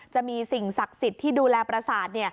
จะมีสิ่งศักดิ์สิทธิ์ที่ดูแลประสาท